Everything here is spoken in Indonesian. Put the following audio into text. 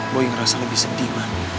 boy ngerasa lebih sedih ma